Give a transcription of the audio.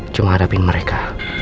cuma hadapin mereka